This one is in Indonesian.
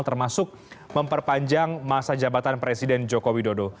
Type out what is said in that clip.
termasuk memperpanjang masa jabatan presiden jokowi dodo